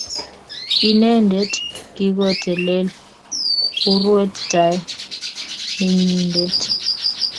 Inendet kikotelele urwet tai nenyindet